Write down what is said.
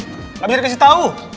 nggak bisa dikasih tahu